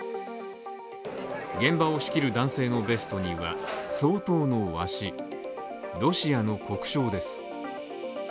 現場を仕切る男性のベストには、双頭のわし、ロシアの国章です。